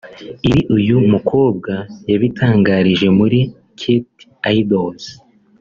Ibi uyu mukobwa yabitangarije muri Kt Idols